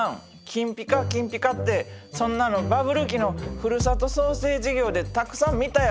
金ぴか金ぴかってそんなのバブル期の「ふるさと創生事業」でたくさん見たやろ？